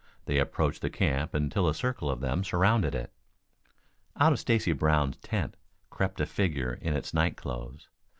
They approached the camp until a circle of them surrounded it. Out of Stacy Brown's tent crept a figure in its night clothes.